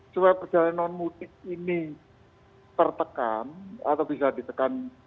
supaya perjalanan mudik ini tertekan atau bisa ditekan